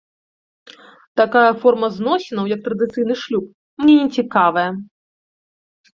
Такая форма зносінаў, як традыцыйны шлюб, мне не цікавая.